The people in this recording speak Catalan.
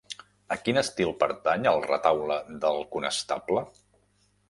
A quin estil pertany el Retaule del Conestable?